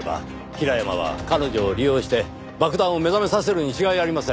平山は彼女を利用して爆弾を目覚めさせるに違いありません。